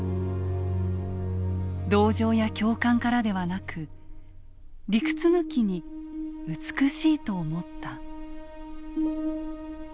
同情や共感からではなく理屈抜きに美しいと思った」。